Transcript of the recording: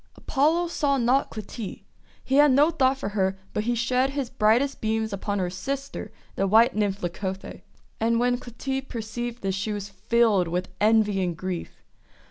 Apollo saw not Clytie. He had no thought for her, but he shed his brightest beams upon her sister, the white Nymph Leucothoe. And when Clytie perceived this she was filled with envy and grief.